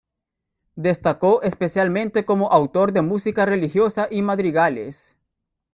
Destacó especialmente como autor de música religiosa y madrigales.